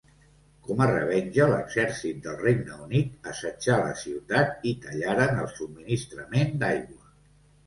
Com a revenja, l'exèrcit del Regne Unit assetjà la ciutat i tallaren el subministrament d'aigua.